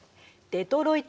デトロイト！？